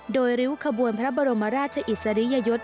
โดยริ้วขบวนพระบรมราชอิสริยยศ